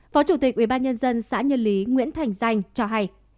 phó chủ tịch ubnd xã nhân lý nguyễn thành danh cho hay